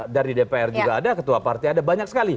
dari dpr juga ada ketua partai ada banyak sekali